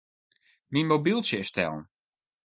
Myn mobyltsje is stellen.